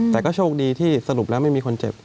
แต่ก็โชคดีที่สรุปแล้วไม่มีคนเจ็บ